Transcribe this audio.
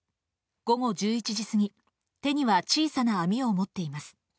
午後１１時過ぎ、手には小さな網を持っています。